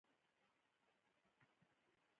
پرتګال او یونان پکې شامل دي.